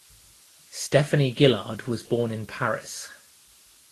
Stephanie Gillard was born in Paris.